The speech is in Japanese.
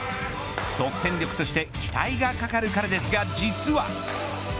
即戦力として期待がかかる彼ですが、実は。